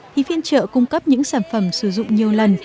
thì phiên trợ cung cấp những sản phẩm sử dụng nhiều lần